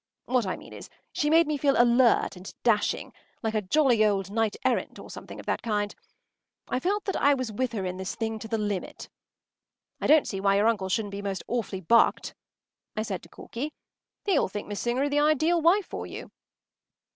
What I mean is, she made me feel alert and dashing, like a jolly old knight errant or something of that kind. I felt that I was with her in this thing to the limit. “I don’t see why your uncle shouldn’t be most awfully bucked,” I said to Corky. “He will think Miss Singer the ideal wife for you.